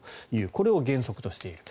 これを原則としている。